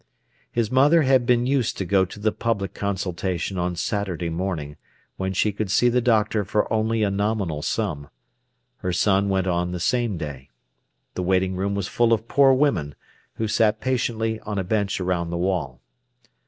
His mother had been used to go to the public consultation on Saturday morning, when she could see the doctor for only a nominal sum. Her son went on the same day. The waiting room was full of poor women, who sat patiently on a bench around the wall.